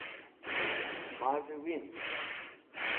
Maz̃hẽ wind.